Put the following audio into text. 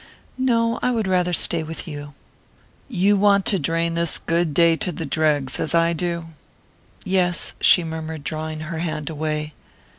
"No, I would rather stay with you." "You want to drain this good day to the dregs, as I do?" "Yes," she murmured, drawing her hand away.